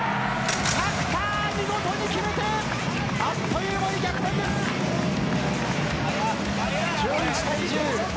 角田見事に決めてあっという間に逆転です。笑